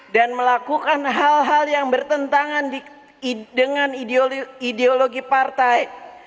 dan melakukan hal hal yang bertentangan dengan ideologi partai